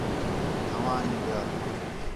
دَھواں ہیں بِیال